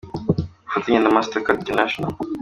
ku bufatanye na Master Card International.